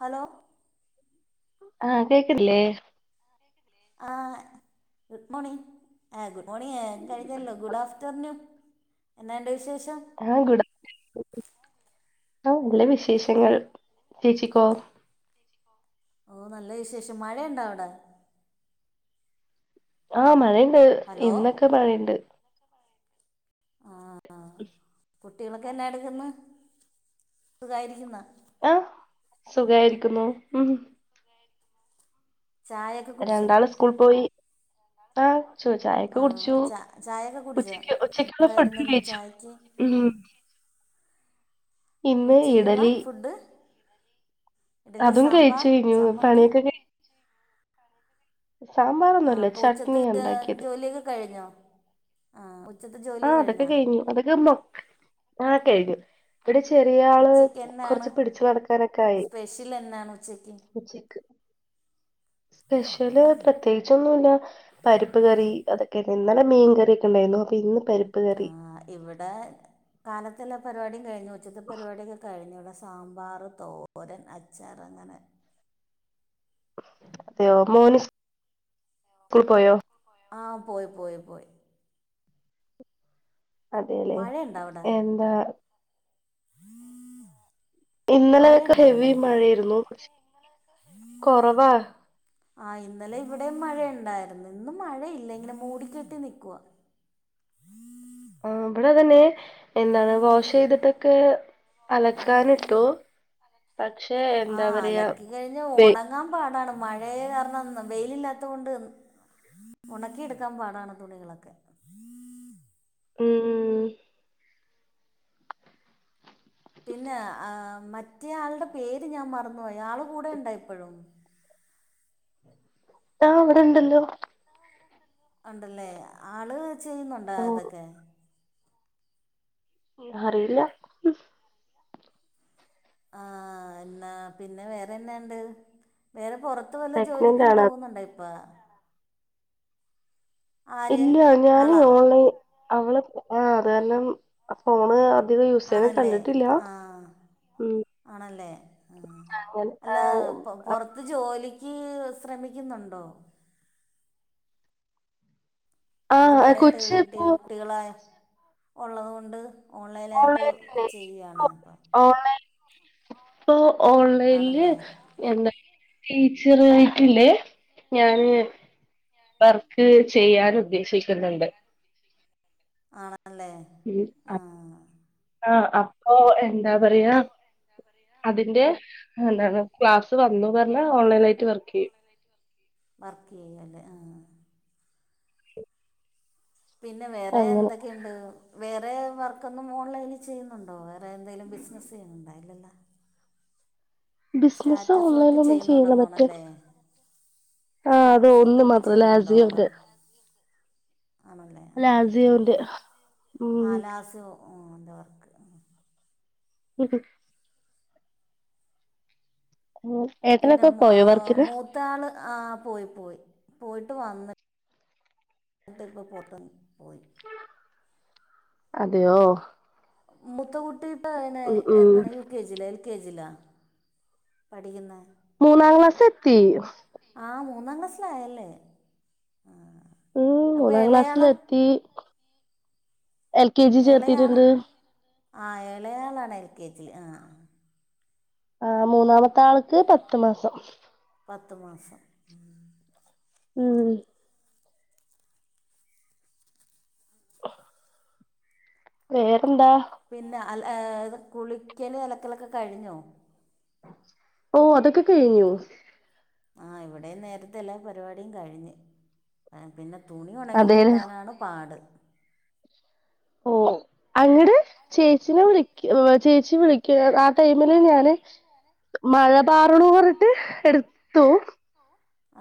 Hello ആഹ് കേക്ക്ൺല്ലേ ആഹ് ഗുഡ് മോണിങ്ങ് ആ ഗുഡ് മോണിങ്ങ് കഴിഞ്ഞല്ലോ ഗുഡാഫ്റ്റർ നു എന്നാണ്ട് വിശേഷം ആ ഗുഡാ [unintelligible] ആഹ് നല്ല വിശേഷങ്ങൾ ചേച്ചിക്കോ ഓഹ് നല്ല വിശേഷം മഴയിണ്ടോ അവടെ ആഹ് മഴയിണ്ട് ഹലോ ഇന്നൊക്കെ മഴയിണ്ട് ആഹ് കുട്ടികളൊക്കെ എന്നാ എടുക്കുന്ന് സുഖായിരിക്കുന്നോ ആഹ് സുഖായിരിക്കുന്നു മ് ചായേക്കെ രണ്ടാള് സ്കൂൾ പോയി ആഹ് ചൊ ചായക്കെ ആ കുടിച്ചു ച ചായയൊക്കെ കുടിച്ചോ ഉച്ചക്ക് ഉച്ചക്കുള്ള എന്തായിരുന്നു ഫുഡ് ഇന്ന് കയിച്ചു ചായക്ക് മ് ഇന്ന് ഉച്ചയ്ക്കുള്ള ഇഡലി ഫുഡ് ഇഡ്ഡലി അതും കഴിച്ചു സാമ്പാർ കഴിഞ്ഞു ചമ്മന്തി പണിയൊക്കെ കയി സാമ്പാ ആഹ് അപ്പൊ ഉച്ചത്തെ ജോലിയൊക്കെ കഴിഞ്ഞോ ആഹ് ഉച്ചത്തെ ജോ ആഹ് അതൊക്കെ കയിഞ്ഞു അതൊക്കെ ന ആഹ് കയിഞ്ഞു ഇവടെ ചെറിയ ആള് ഉച്ചക്ക് എന്താണ് കൊറച്ച് പിടിച്ച് നടക്കാനൊക്കെ ആയി സ്പെഷ്യൽ എന്താണ് ഉച്ചക്ക് ഉച്ചക്ക് സ്പെഷ്യല് പ്രത്യേകിച്ചൊന്നുല്ല പരിപ്പ് കറി അതൊക്കെ ഇന്നലെ മീൻ കറിക്കെ ഒണ്ടായിരുന്നു അപ്പം ഇന്ന് പരി ആഹ് ഇവടെ കാലത്തെല്ല പരിപാടിയും കയിഞ്ഞു ഉച്ചത്തെ പരിപാടിയൊക്കെ കയിഞ്ഞെള്ള സാമ്പാറ്, തോരൻ, അച്ചാറ് അങ്ങനെ അതെയോ മോന് സ്കൂൾ പോയോ ആഹ് പോയി പോയി പോയി അതെല്ലെ മഴയുണ്ടോ അവിടെ എന്താ ഇന്നലെക്കെ മഴയുണ്ടോ ഹെവി അവിടെ മഴായിരുന്നു കൊറവാ ആഹ് ഇന്നലെ ഇവടെയും മഴയിണ്ടായിരുന്ന് ഇന്ന് മഴയില്ലെങ്കിലും മൂടിക്കെട്ടി നൽക്കുവാ ആഹ് ഇവടെതന്നെ എന്താണ് വാഷ് ചെയ്തിട്ടൊക്കെ അലക്കാ നിട്ടു ആഹ് അല‌ക്കി കഴിഞ്ഞ വെ ഒണങ്ങാൻ പാടാണ് മഴയ കാരണം വെയിലില്ലാത്തത് കൊണ്ട് ഒണക്കി എടുക്കാൻ പാടാണ് തുണികളൊക്കെ ഉം പിന്നെ മറ്റേ ആൾടെ പേര് ഞാൻ മറന്നുപോയി ആള് കൂടെ ഇണ്ടോ ഇപ്പോഴും? ആഹ് ഇവടെണ്ടല്ലോ ഉണ്ടല്ലേ ആള് ചെയ്യുന്നുണ്ടോ ഇതൊക്കെ? അറീല്ല ആഹ് എന്നാ പിന്നെ വേറെന്നാ ഇണ്ട് വേറെ പൊർ ത്തു വല്ല പ്രഗ്നന്റ് ജോലിക്കും ആണ് പോകുന്നുണ്ടോ ഇപ്പ ആര് ഇല്ല ഞാന് ആളാ ഓൺലൈൻ അവള് ആഹ് അത് കാരണം ഫോണ് അധികം യൂസ് ചെയ്യ്ണെ ആണല്ലേ കണ്ടിട്ടില്ല ആ ഉം ആണല്ലേ അങ്ങനെ ആ അല്ല പൊ പൊറ ത് ജോലിക്ക് ശ്രമിക്കുന്നുണ്ടോ? ആ ആ, [unintelligible] കൊച്ച് വീട്ട് ഇപ്പോ കുട്ടികളെ ഒള്ളതു കൊണ്ട് ഓൺലൈനായിട്ട് ഓൺലൈൻ തന്നെ ചെയ്യാണ് ഇപ്പം ഓൺലൈൻ ഇപ്പൊ ഓൺലൈല് ആണല്ലേ എന്താ ടീച്ചർ ആയിട്ടില്ലേ ഞാന് വർക്ക് ചെയ്യാന് ഉദ്ദേശി ചെയ്യാൻ ആണല്ലേ ഉം ആ ആഹ് ആഹ് അപ്പൊ എന്താ പറയാ അതിന്റെ എന്താണ് ക്ലാസ് വന്നു പർഞ്ഞാ ഓൺലൈൻ ആയിട്ട് വർക്ക് ചെയ്യും വർക്ക് യ്യല്ലേ ആഹ് പിന്നെ വേറെ അങ്ങനെ എന്തൊക്കെണ്ട് വേറെ വർക്കൊന്നും ഓൺലൈനിൽ ചെയ്യുന്നുണ്ടോ വേറെ എന്തെലും ബിസിനസ് ചെയ്യന്നുണ്ടോ ഇല്ലല്ലോ ബിസിനസ്സ് സ്റ്റാറ്റസ് വർക്ക് ഓൺലൈല് ഒന്നും ചെയ്യില്ല ചെയ്യുന്നുണ്ടെന്ന് മറ്റേ തോന്നല്ലേ ആഹ് അതോ സ്റ്റാറ്റസ് ഒന്നും വർക്കൊക്കെ മാത്രം ചെയ്യുന്നുണ്ടോ അങ്ങ- ലാസിയോന്റെ ആണല്ലേ ലാസിയോന്റെ ഉം ആഹ് ലാസ് ഓന്റെ വർക്ക് [unintelligible] ഉം ഏട്ടനോക്കെ പോയോ വർക്കിന് താണ് ആഹ് പോയി പോയി പോയിട്ട് വന്ന് ന്ന്ട്ട് പ്പോ പോട്ടും പോയി അതെയോ മുത്ത കുട്ടി ഉം [unintelligible] ഉം എൽ കെജില് എൽ കെജിലാ പഠിക്കുന്നെ മൂന്നാം ക്ലാസ് എത്തി ആഹ് മൂന്നാം ക്ലാസ്സിലയല്ലേ ആഹ് ഉം മൂന്നാം ക്ലാസ്സിലെത്തി എൽ കെ ജി ചേർത്തിട്ടുണ്ട് ആഹ് എളയാളാണ് എൽ കെ ജില് ആഹ് ആഹ് ആഹ് മൂന്നാമത്തെ ആൾക്ക് പത്തു മാസം പത്ത് മാസം ഉം ആ [inaudible] വേറെന്താ പിന്നെ അല ഏഹ് കുളിക്കലും അലക്കലൊക്കെ കഴിഞ്ഞോ? ഓഹ് അതൊക്കെ കഴിഞ്ഞു ആഹ് ഇവിടെയും നേരത്തെ എല്ലാ പരിപാടിയും കഴിഞ് പിന്നെ തുണി ഒണങ്ങി അതേലെ കിട്ടാനാണ് പാട് ഓഹ് അങ്ങട് ചേച്ചിനെ വിളിക്കും ചേച്ചി വിളിക്ക ആ ടൈമില് ഞാന് മഴ പാറണു പറഞ്ട്ട് എടുത്തു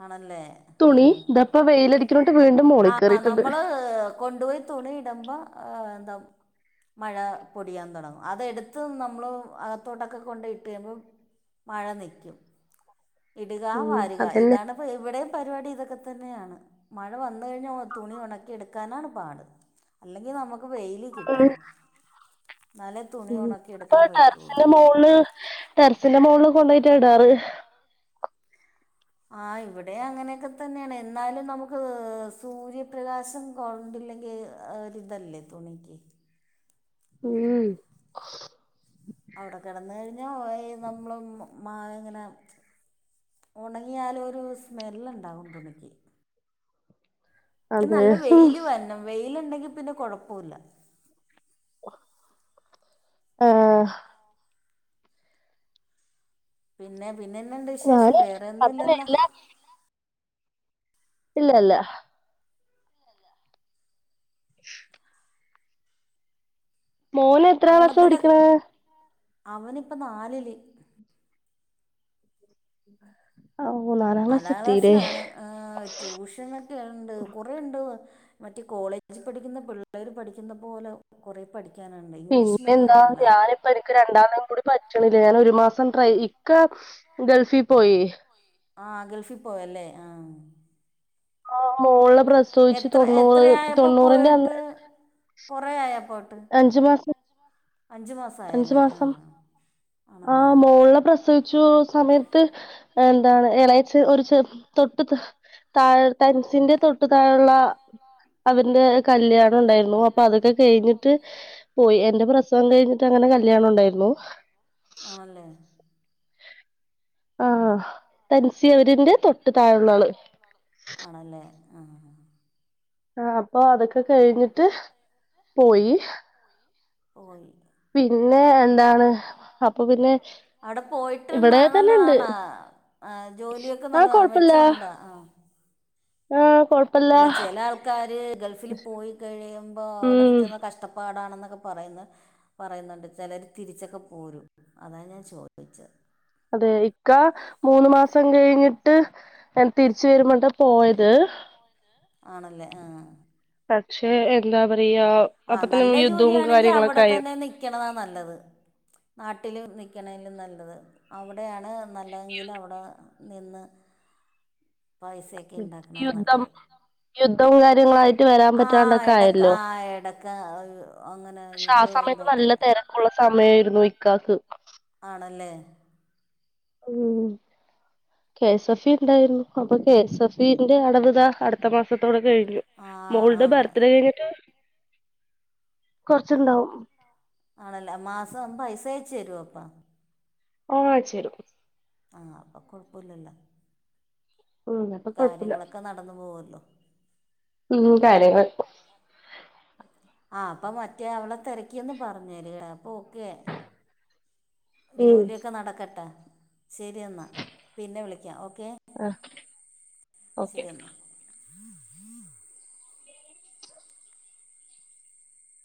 ആണല്ലേ തുണി ഉം ഇതപ്പ വെയിലടിക്കുന്നോട്ട് വീണ്ടും മോളി കയറിയിട്ടുണ്ട് കൊണ്ടോയി തുണി ഇടമ്പോ എന്താ മഴ പൊടിയാൻ തുടങ്ങും അതെടുത്ത് നമ്മൾ അകത്തോട്ടൊക്കെ കൊണ്ട് ഇട്ട് കഴിയുമ്പം മഴ നിക്കും ഇടുക ഉം വാരുക ഇത് അതന്നെ ഇന്നിപ്പോൾ ഇവിടെയും പരിപാടി ഇതൊക്കെ തന്നെയാണ് മഴ വന്ന് കഴിഞ്ഞൽ തുണി ഉണക്കി എടുക്കാനാണ് പാട് അല്ലെങ്കിൽ നമുക്ക് വെയില് കിട്ടണം ന്നാലെ ഉം ഇപ്പോ ടെറിസിന്റെ മോളില് ടെറിസിന്റെ മോളിൽ കൊണ്ടോയിട്ട ഇടാറ് ആഹ് ഇവിടെയും അങ്ങനെക്കെ തന്നെയാണ് എന്നാലും നമുക്ക് സൂര്യപ്രകാശം കൊണ്ടില്ലെങ്കിൽ ഏഹ് ഒരിതല്ലേ തുണിക്ക് ഉം അവിടെ കിടന്ന് കഴിഞ്ഞാൽ ഏഹ് നമ്മള് മഴ ഇങ്ങനെ ഉണങ്ങിയാലും ഒരു സ്മെല്ലുണ്ടാകും തുണിക്ക് അല്ലേൽ അതെ നല്ല ഉം വെയില് വരണം വെയിലുണ്ടെങ്കിൽ പിന്നെ കൊഴപ്പല്ല ആഹ് പിന്നെ പിന്നെന്തുണ്ട് വിശേഷം ഞാന് വേറെ അതിന് ഒന്നുല്ലല്ലോ എല്ലാ ഇല്ല ഇല്ല ഇല്ല ഇല്ല [inaudible] മോന് എത്രാം ക്ലാസ്സാ ഓണത്തിന് പഠിക്കണേ അവനിപ്പ നാലില് ഉ [inaudible] നാലാ ക്ലാസ്സിലാണ് ഏഹ് ട്യൂഷനൊക്കെ ഉണ്ട് കുറെണ്ട് മറ്റേ കോളേജിൽ പഠിക്കുന്ന പിള്ളേര് പഠിക്കുന്ന പോലെ കുറെ പഠി പിന്നെ എന്താ ഞാൻ എപ്പ എനിക്ക് രണ്ടാമതും കൂടി റ്റണില്ല ഞാൻ ഒരു മാസം ട്രൈ ഇക്ക ഗൾഫി പോയി ആഹ് ഗൾഫിൽ പോയല്ലേ ആഹ് ആഹ് മോളെ പ്രസവിച്ച് എത്ര തൊണ്ണൂറ് തൊണ്ണൂറിന്റെ അന്ന് കൊറേ ആയോ പോയിട്ട് അഞ്ചു മാസം അഞ്ച് മാസം അഞ്ചു മാസം ആഹ് മോളെ പ്രസ വിച്ചു സമയത്ത് എന്താണ് എളയച്ചി ഒരു ചെ തൊട്ടു താഴ തൻസിന്റെ തൊട്ടു താഴള്ള അവരുടെ കല്യാണം ഉണ്ടായിരുന്നു അപ്പൊ അതൊക്കെ കയിഞ്ഞിട്ട് പോയി എന്റെ പ്രസവം കഴി ഞ്ഞിട്ട് അങ്ങനെ കല്യാണം ഉണ്ടായിരുന്നു ആണല്ലേ ആഹ് തൻസി അവരിന്റെ തൊട്ട് താഴെ ഉള്ള ആള് ആണല്ലേ ആഹ് ആഹ് അപ്പൊ അതൊക്കെ കഴിഞ്ഞിട്ട് പോയി പോയി പിന്നെ എന്താണ് അപ്പൊ പിന്നെ ആടെ പോയിട്ട് ഇവിടെ തന്നെ ഉണ്ട് നല്ലതണാ ആ ജോലിയൊക്കെ ആ നല്ലതാണ് മെച്ചവുണ്ടോ ആഹ് ആഹ് കൊ അല്ല ചില ആൾക്കാര് ഗൾഫില് പോയി കഴിയുമ്പോ അവിടെ ഉം ചെന്ന് കഷ്ട പാടാണെന്നൊക്കെ പറയുന്നെ പറയുന്നുണ്ട് ചിലര് തിരിച്ചൊക്കെ പോരും അതാ ഞാൻ ചോദിച്ചത് അതെ ഇക്ക മൂന്ന് മാസം കഴിഞ്ഞിട്ട് തിരിച്ച് വരുമ്പോട്ട പോയത് ആണല്ലേ ആഹ് പക്ഷെ എന്താ പറയാ ആഹ് അപ്പത്തന്നെ നല്ല യുദ്ധവും ജോലിയാണെങ്കി കാര്യങ്ങളൊക്കെ അവിടെ ആയി തന്നെ നി ക്കണതാ നല്ലത് നാട്ടില് നിക്ക്ണേലും നല്ലത് അവടെയാണ് നല്ലതെങ്കിൽ അവിടെ നിന്ന് പൈസയൊക്കെ ഉണ്ടാക്കണതാ യുദ്ധം നല്ലത് യുദ്ധവും കാര്യങ്ങളായിട്ട് വരാൻ ആഹ് പറ്റാണ്ടൊക്കെ എടക്ക് ആയല്ലോ ആഹ് എടക്ക് അങ്ങനെ യുദ്ധവും എന്തൊക്കെ ഉള്ള സമയായിരുന്നു ഇക്കാക് ആണല്ലേ ഉം കെ എസ് എഫ് ഇ ഇണ്ടായിരുന്നു അപ്പൊ കെ എസ് എഫ് ഇന്റെ അടവ്താ അടുത്ത മാസത്തോടെ കയിഞ്ഞു ആ ആ മോളുടെ ബർത്ത്ഡേ കഴിഞ്ഞിട്ട് കൊറച്ചുണ്ടാവും ആണല്ല മാസം പൈസയച്ചരോ അപ്പം ഓ അയച്ചെരും ആഹ് അപ്പൊ കുഴപ്പോല്ല ഉം അപ്പൊ കൊഴപ്പില്ല കാര്യങ്ങളൊക്കെ നടന്നു പോകല്ലോ മ്മ് കാര്യ [unintelligible] ആഹ് അപ്പ മറ്റേ അവളെ തിരക്കിന്ന് പപറഞ്ഞേര് അപ്പൊ ഓക്കെ ഉം ജോലിയൊക്കെ നടക്കട്ടെ ശെരി എന്നാ പിന്നെ വിളിക്കാം ഓക്കേ ആഹ് ശരിയെന്നാ